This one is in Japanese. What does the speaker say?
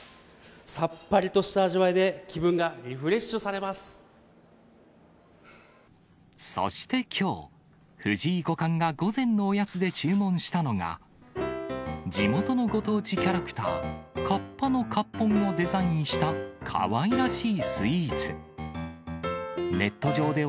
さっぱりとした味わいで、そしてきょう、藤井五冠が午前のおやつで注文したのが、地元のご当地キャラクター、カッパのかっぽんをデザインしたかわいらしいスイーツ。